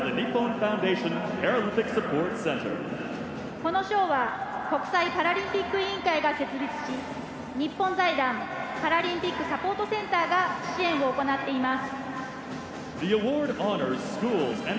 この賞は国際パラリンピック委員会が設立し日本財団パラリンピックサポートセンターが支援を行っています。